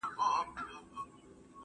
که چېری هغوی را سره خبري وکړې بيا .